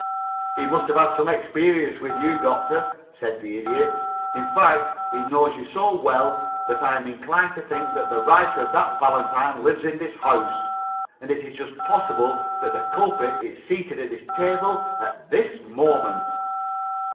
"He must have had some experience with you, Doctor," said the Idiot. "In fact, he knows you so well that I am inclined to think that the writer of that valentine lives in this house, and it is just possible that the culprit is seated at this table at this moment."